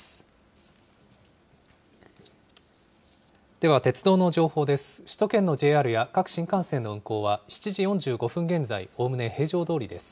では、鉄道の情報です。